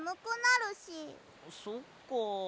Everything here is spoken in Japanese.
そっか。